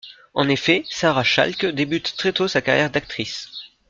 En effet, Sarah Chalke débute très tôt sa carrière d'actrice.